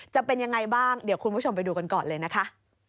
จะเป็นยังไงบ้างเดี๋ยวคุณผู้ชมไปดูกันก่อนเลยนะคะ